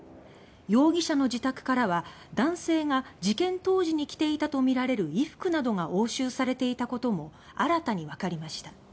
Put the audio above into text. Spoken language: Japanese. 容疑者の自宅からは男性が事件当時に着ていたとみられる衣服などが押収されていたことも新たにわかりました。